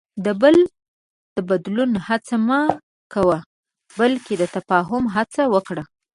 د بل د بدلون هڅه مه کوه، بلکې د تفاهم هڅه وکړه.